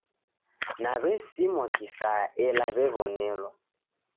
Na w'esimwa kisaya ela w'ew'onelwa.